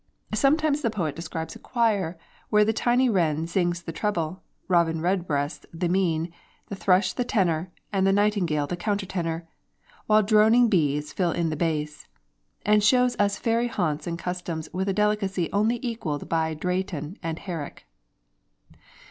Sometimes the poet describes a choir where the tiny wren sings the treble, Robin Redbreast the mean, the thrush the tenor, and the nightingale the counter tenor, while droning bees fill in the bass; and shows us fairy haunts and customs with a delicacy only equaled by Drayton and Herrick.